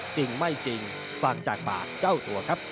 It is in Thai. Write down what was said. จริงไม่จริงฟังจากปากเจ้าตัวครับ